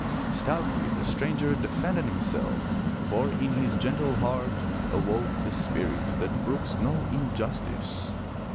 Stoutly the stranger defended himself, for in his gentle heart awoke the spirit that brooks no injustice.